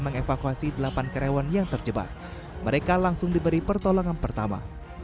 mengevakuasi delapan karyawan yang terjebak mereka langsung diberi pertolongan pertama